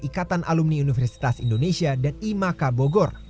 ikatan alumni universitas indonesia dan imaka bogor